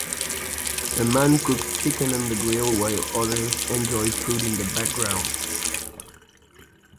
A man cooks chicken on the grill, while others enjoy food in the background.